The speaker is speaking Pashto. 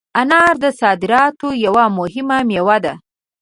انار د صادراتو یوه مهمه مېوه ده.